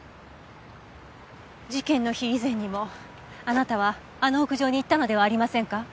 事件の日以前にもあなたはあの屋上に行ったのではありませんか？